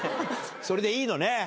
それでいいのね？